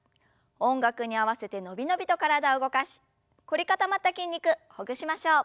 音楽に合わせて伸び伸びと体を動かし凝り固まった筋肉ほぐしましょう。